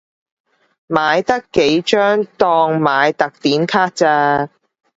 買得幾張當買特典卡咋